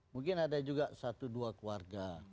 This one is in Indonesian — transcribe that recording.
mungkin ada juga satu dua keluarga